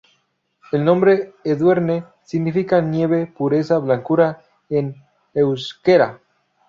El nombre Edurne significa nieve, pureza, blancura en euskera.